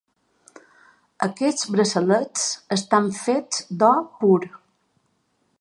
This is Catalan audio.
Aquests braçalets estan fets d'or pur.